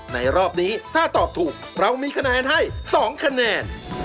รอบนี้ถ้าตอบถูกเรามีคะแนนให้๒คะแนน